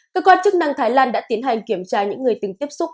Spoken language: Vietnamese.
cơ quan chức năng thái lan đã tiến hành kiểm tra những người từng tiếp xúc